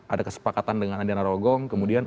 ada kesepakatan dengan andiana rogong kemudian